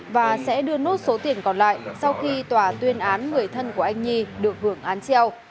và sẽ đưa nốt số tiền còn lại sau khi tòa tuyên án người thân của anh nhi được hưởng án treo